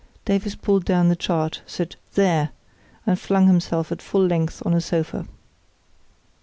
Davies pulled down the chart, said "There," and flung himself at full length on a sofa.